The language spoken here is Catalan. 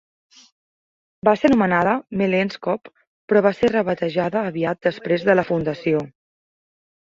Va ser anomenada Mellenskov, però va ser rebatejada aviat després de la fundació.